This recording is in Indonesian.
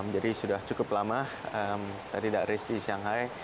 jadi sudah cukup lama saya tidak race di shanghai